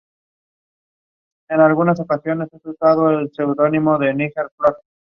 Su esposa, Agnes Campbell era hija de Colin Campbell, tercer Conde de Argyll.